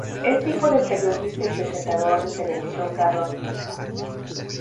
Es hijo del periodista y presentador de televisión Carlos Pinto.